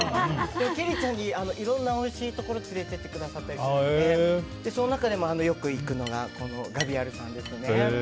きゃりーちゃんにいろんなおいしいところ連れて行ってくださったりするのでその中でも、よく行くのがガヴィアルさんです。